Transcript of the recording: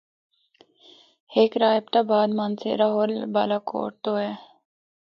ہک راہ ایبٹ آباد، مانسہرہ ہور بالاکوٹ تو اے۔